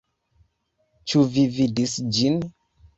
Ĉu vi vidis ĝin?